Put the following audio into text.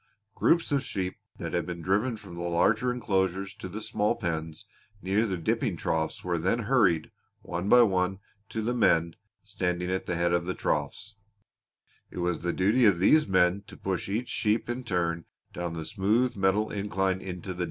Groups of sheep that had been driven from the larger enclosures to the small pens near the dipping troughs were then hurried, one by one, to the men standing at the head of the troughs; it was the duty of these men to push each sheep in turn down the smooth metal incline into the dip.